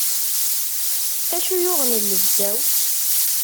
Acu yuɣen llebsa-w?